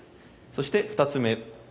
そして２つ目。